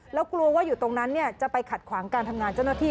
แล้วกลัวว่าอยู่ตรงนั้นจะไปขัดขวางการทำงานเจ้าหน้าที่